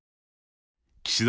岸田